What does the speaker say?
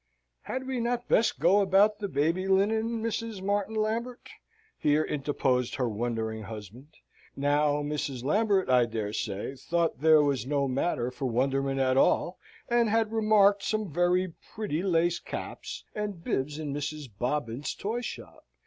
"Had we not best go about the baby linen, Mrs. Martin Lambert?" here interposed her wondering husband. Now, Mrs. Lambert, I dare say, thought there was no matter for wonderment at all, and had remarked some very pretty lace caps and bibs in Mrs. Bobbinit's toy shop.